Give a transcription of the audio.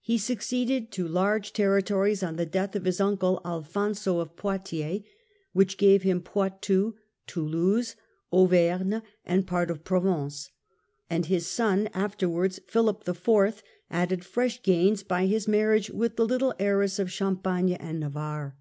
He succeeded to large territories on the death of his uncle, Alfonso of Poitiers, which gave him Poitou, Toulouse, Auvergne and part of Provence ; and his son, afterwards Philip IV., added fresh gains by his marriage with the little heiress of Champagne and Navarre.